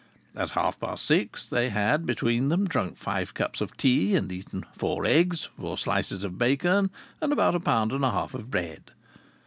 At half past six they had, between them, drunk five cups of tea and eaten four eggs, four slices of bacon, and about a pound and a half of bread.